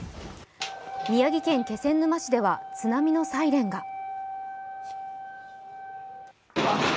宮城県気仙沼市では津波のサイレンが。